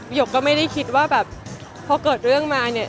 หยกก็ไม่ได้คิดว่าแบบพอเกิดเรื่องมาเนี่ย